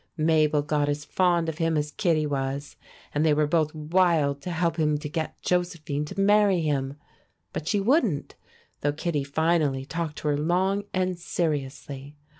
Mabel got as fond of him as Kittie was, and they were both wild to help him to get Josephine to marry him; but she wouldn't, though Kittie finally talked to her long and seriously.